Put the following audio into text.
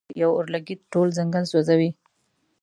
کله چې وخت راشي یو اورلګیت ټول ځنګل سوځوي.